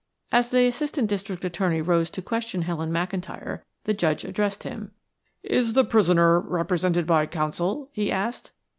As the Assistant District Attorney rose to question Helen McIntyre, the Judge addressed him. "Is the prisoner represented by counsel?" he asked.